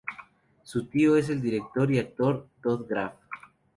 Su tío es el director y actor Todd Graff.